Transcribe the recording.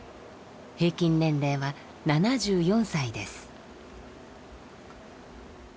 平均年齢は７４歳です。